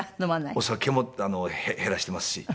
お酒も減らしてますし。